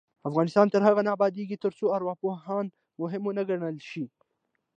افغانستان تر هغو نه ابادیږي، ترڅو ارواپوهنه مهمه ونه ګڼل شي.